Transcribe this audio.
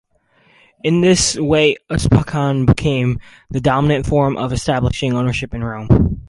In this way usucapion became the dominant form of establishing ownership in Rome.